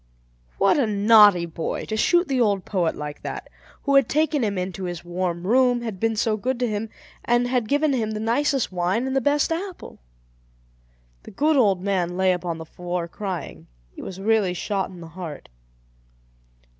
What a naughty boy to shoot the old poet like that, who had taken him into his warm room, had been so good to him, and had given him the nicest wine and the best apple! The good old man lay upon the floor crying; he was really shot in the heart.